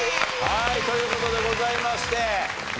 はいという事でございまして。